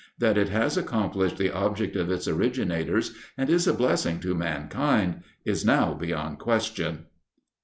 That it has accomplished the object of its originators and is a blessing to mankind is now beyond question.